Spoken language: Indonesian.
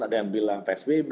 ada yang bilang psbb